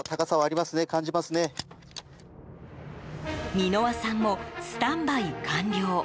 箕輪さんもスタンバイ完了。